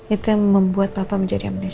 itu yang membuat papa menjadi amnesia